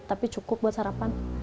tapi cukup buat sarapan